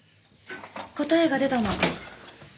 答えが出たの。